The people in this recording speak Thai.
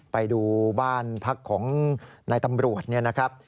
ไปดูบ้านพักของนายตำรวจเนี่ยนะครับ